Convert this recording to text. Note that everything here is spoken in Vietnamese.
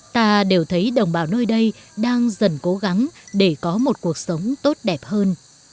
ta đều thấy đồng bào nơi đây đang dần cố gắng để có một cuộc sống tốt đẹp hơn